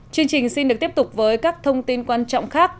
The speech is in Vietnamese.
chương trình xin được tiếp tục với các thông tin quan trọng khác